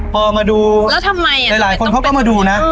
พอมาดูหลายคนเขาก็มาดูนะ